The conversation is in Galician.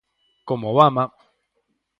Como Obama.